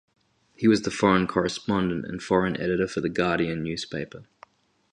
He was the foreign correspondent and foreign editor for "The Guardian" newspaper.